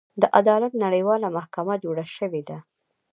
د عدالت نړیواله محکمه جوړه شوې ده.